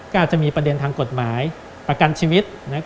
ก็อาจจะมีประเด็นทางกฎหมายประกันชีวิต